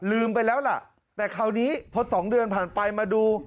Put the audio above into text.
ลืมไปแล้วล่ะแต่คราวนี้พอ๒เดือนผ่านไปมาดู